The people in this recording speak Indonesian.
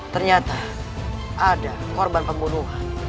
ternyata ada korban pembunuhan